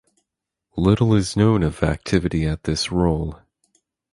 Little is known of activity at this role.